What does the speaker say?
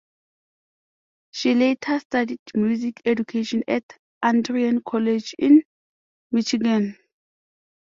She later studied music education at Adrian College in Michigan.